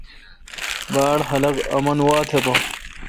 باڑ خلق آمن واتھ باں ۔